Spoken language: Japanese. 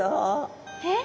えっ？